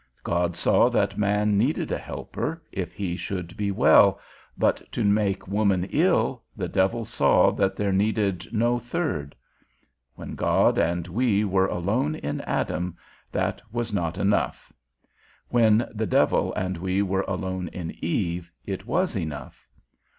God saw that man needed a helper, if he should be well; but to make woman ill, the devil saw that there needed no third. When God and we were alone in Adam, that was not enough; when the devil and we were alone in Eve, it was enough.